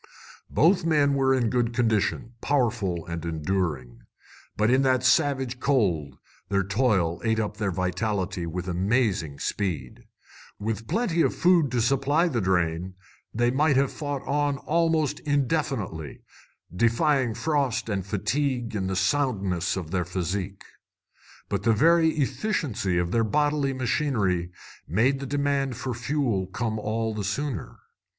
Both men were in good condition, powerful and enduring. But in that savage cold their toil ate up their vitality with amazing speed. With plenty of food to supply the drain, they might have fought on almost indefinitely, defying frost and fatigue in the soundness of their physique. But the very efficiency of their bodily machinery made the demand for fuel come all the sooner.